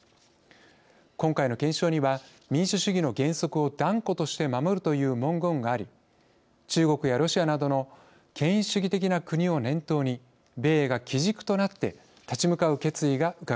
今回の憲章には「民主主義の原則を断固として守る」という文言があり中国やロシアなどの権威主義的な国を念頭に米英が基軸となって立ち向かう決意がうかがえます。